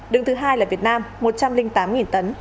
đứng thứ hai là việt nam một trăm linh tám tấn